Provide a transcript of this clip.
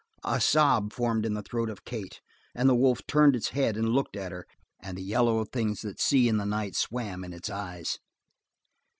A sob formed in the throat of Kate and the wolf turned its head and looked at her, and the yellow of things that see in the night swam in its eyes.